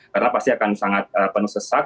karena pasti akan sangat penuh sesak